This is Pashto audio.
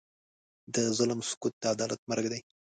د ظلم سکوت، د عدالت مرګ دی.